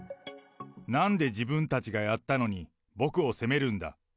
なんで自分たちがやったのに、僕を責めるんだ。